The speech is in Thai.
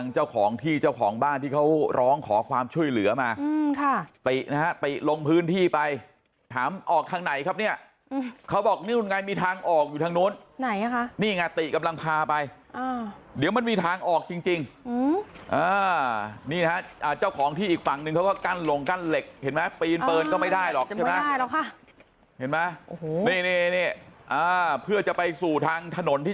เจ้าของที่เจ้าของบ้านที่เขาร้องขอความช่วยเหลือมาอืมค่ะไปนะฮะไปลงพื้นที่ไปถามออกทางไหนครับเนี้ยอืมเขาบอกนี่มันไงมีทางออกอยู่ทางนู้นไหนอ่ะค่ะนี่ไงติกำลังพาไปอ่าเดี๋ยวมันมีทางออกจริงจริงอืมอ่านี่นะฮะอ่าเจ้าของที่อีกฝั่งหนึ่งเขาก็กั้นลงกั้นเหล็กเห็นไหมปีนเปินก็ไม่ได้หรอกใช่ไ